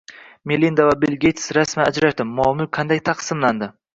Melinda va Bill Geyts rasman ajrashdi: mol-mulk qanday taqsimlandi?